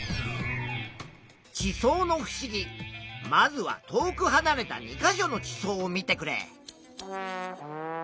地層のふしぎまずは遠くはなれた２か所の地層を見てくれ。